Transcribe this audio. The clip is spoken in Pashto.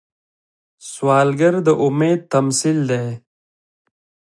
سوالګر د امید تمثیل دی